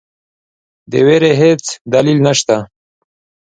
د وېرې هیڅ دلیل نسته.